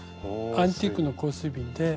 アンティークの香水瓶で。